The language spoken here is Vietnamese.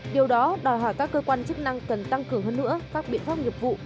điều đó đòi hỏi các cơ quan chức năng cần tăng cường hơn nữa các biện pháp nghiệp vụ